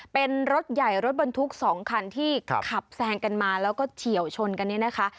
เป็นรถใหญ่รถบรรทุก๒คันที่ขับแซงกันมาแล้วก็เฉียวชนกันเนี่ยนะคะ